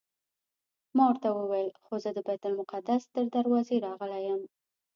ما ورته وویل خو زه د بیت المقدس تر دروازې راغلی یم.